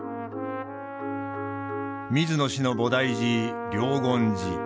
水野氏の菩提寺楞厳寺。